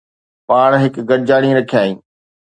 پاڻ هڪ گڏجاڻي رکيائين